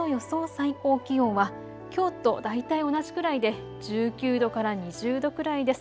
最高気温はきょうと大体同じくらいで１９度から２０度くらいです。